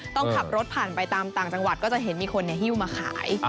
ต้องขับรถผ่านไปตามต่างจังหวัดก็จะเห็นมีคนฮิ้วมาขาย